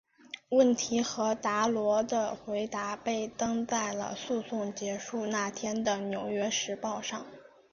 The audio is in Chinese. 问题和达罗的回答被登在了诉讼结束那天的纽约时报上。